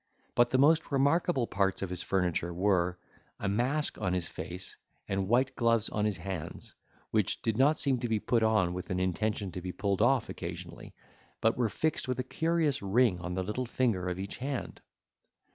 But the most remarkable parts of his furniture were, a mask on his face, and white gloves on his hands, which did not seem to be put on with an intention to be pulled off occasionally, but were fixed with a curious ring on the little finger of each hand.